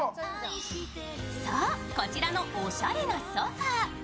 そう、こちらのおしゃれなソファー。